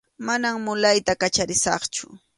Manam mulayta kacharisaqchu.